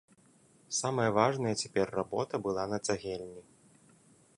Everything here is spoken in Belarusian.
Самая важная цяпер работа была на цагельні.